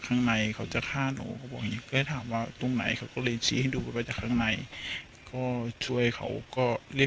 มันไปรับม้าได้เดินดูรถเท่ากลางคืน